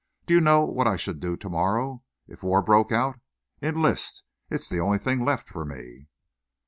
Do you know what I should do to morrow if war broke out? Enlist! It's the only thing left for me."